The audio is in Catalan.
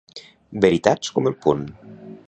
Veritats com el punt.